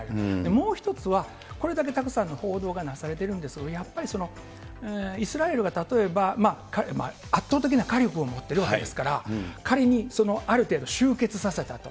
もう一つは、これだけたくさんの報道がなされてるんですけれども、やっぱりイスラエルが例えば圧倒的な火力を持ってるわけですから、仮にそのある程度集結させたと。